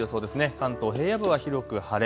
関東平野部は広く晴れ。